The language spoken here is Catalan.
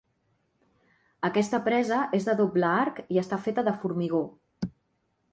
Aquesta presa és de doble arc i està feta de formigó.